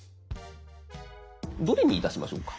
どれにいたしましょうか？